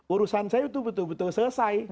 urusan saya itu betul betul selesai